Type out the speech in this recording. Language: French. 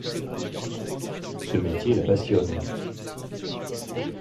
Ce métier la passionne.